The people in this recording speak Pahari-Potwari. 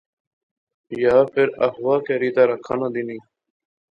یا فیر اغوا کری تے رکھا ناں دینی